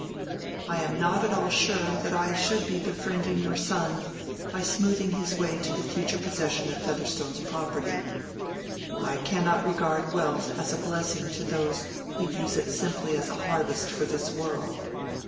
"I am not at all sure that I should be befriending your son by smoothing his way to the future possession of Featherstone's property. I cannot regard wealth as a blessing to those who use it simply as a harvest for this world.